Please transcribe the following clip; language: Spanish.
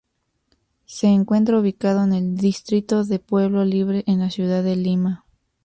Se encuentra ubicado en el distrito de Pueblo Libre en la ciudad de Lima.